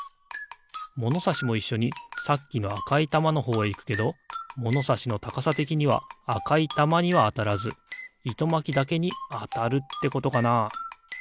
ものさしもいっしょにさっきのあかいたまのほうへいくけどものさしのたかさてきにはあかいたまにはあたらずいとまきだけにあたるってことかな？